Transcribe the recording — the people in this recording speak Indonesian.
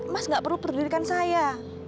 mas gak perlu perdirikan saya